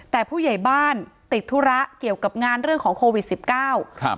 แต่ผู้ใหญ่บ้านติดธุระเกี่ยวกับงานเรื่องของโควิดสิบเก้าครับ